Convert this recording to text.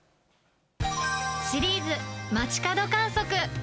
シリーズ街角観測。